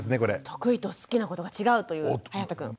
得意と好きなことが違うというはやたくん。